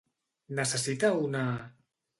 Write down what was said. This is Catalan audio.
Necessita una...?